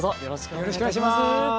よろしくお願いします。